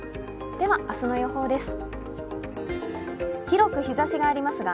では、明日の予報です。